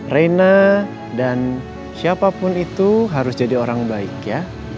reina dan siapapun itu harus jadi orang baik ya